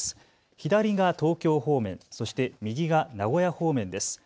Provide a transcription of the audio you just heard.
左が東京方面、そして右が名古屋方面です。